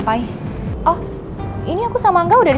tadi tak pourquoi